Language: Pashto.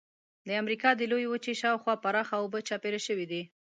د امریکا د لویې وچې شاو خوا پراخه اوبه چاپېره شوې دي.